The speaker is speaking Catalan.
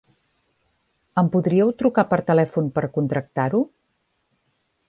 Em podríeu trucar per telèfon per contractar-ho?